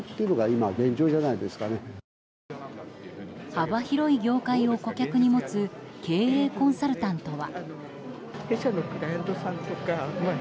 幅広い業界を顧客に持つ経営コンサルタントは。